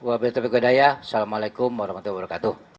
assalamualaikum warahmatullahi wabarakatuh